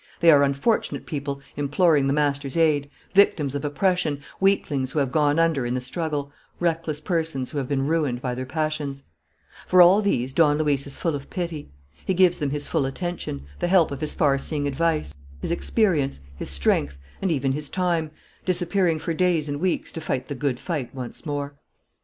They are unfortunate people imploring the master's aid, victims of oppression, weaklings who have gone under in the struggle, reckless persons who have been ruined by their passions. For all these Don Luis is full of pity. He gives them his full attention, the help of his far seeing advice, his experience, his strength, and even his time, disappearing for days and weeks to fight the good fight once more.